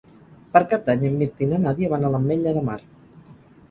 Per Cap d'Any en Mirt i na Nàdia van a l'Ametlla de Mar.